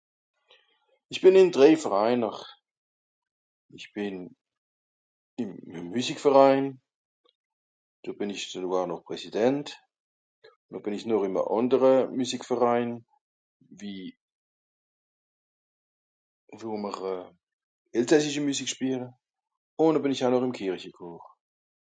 isch bìn ìn drei verainer isch bìn ìm a musqiue verain do bìn isch sògar noch präsident no bìn esch nor ìm à àndere musique verain wie wo mr elsassischi musique schpiele un'o bìn noch ìm kerische chor